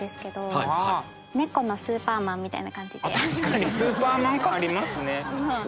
確かにスーパーマン感ありますね。